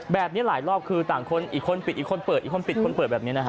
แบบนี้หลายรอบคือต่างคนอีกคนปิดอีกคนเปิดอีกคนปิดคนเปิดแบบนี้นะฮะ